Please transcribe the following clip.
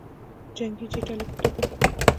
جنګي جت الوتکو